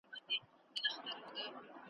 خو د کاظم خان شیدا شعر .